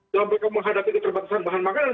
dalam mereka menghadapi keterbatasan bahan makanan